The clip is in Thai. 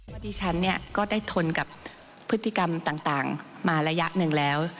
ว่าดิฉันก็ได้ทนกับพฤติกรรมต่างมาระยะหนึ่งแล้ว